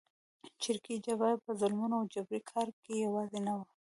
چریکي جبهه په ظلمونو او جبري کار کې یوازې نه وه.